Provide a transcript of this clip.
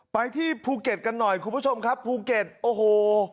ไปที่ภูเก็ตกันหน่อยคุณผู้ชมครับภูเก็ตโอ้โห